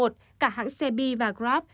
cả hãng xe bi và grab